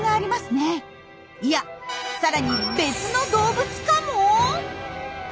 いやさらに別の動物かも？